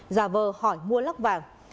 giả vờ hỏi mua lắc vàng